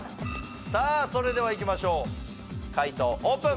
さあそれではいきましょう回答オープン！